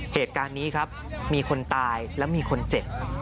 เหตุการณ์นี้ครับมีคนตายและมีคนเจ็บ